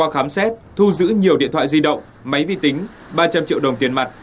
khám xét thu giữ nhiều điện thoại di động máy vi tính ba trăm linh triệu đồng tiền mặt